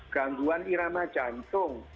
gangguan irama jantung